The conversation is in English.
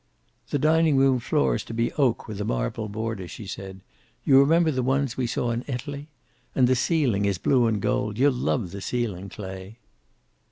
"The dining room floor is to be oak, with a marble border," she said. "You remember the ones we saw in Italy? And the ceiling is blue and gold. You'll love the ceiling, Clay."